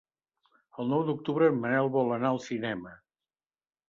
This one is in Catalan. El nou d'octubre en Manel vol anar al cinema.